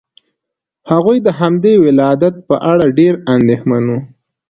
هغوی د همدې ولادت په اړه ډېر اندېښمن وو.